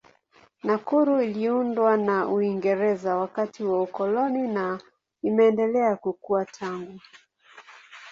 Nakuru iliundwa na Uingereza wakati wa ukoloni na imeendelea kukua tangu.